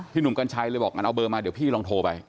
หนุ่มกัญชัยเลยบอกงั้นเอาเบอร์มาเดี๋ยวพี่ลองโทรไป